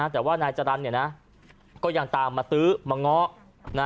แต่ว่านายจรรย์นี่นะก็ยังตามมาตื้อมาง้อ